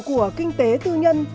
của kinh tế tư nhân